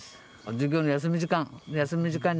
授業の休み時間休み時間に。